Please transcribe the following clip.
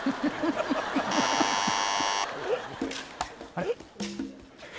あれ？